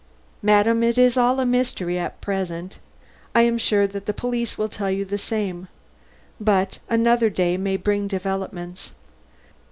"Madam, it is all a mystery at present. I am sure that the police will tell you the same. But another day may bring developments."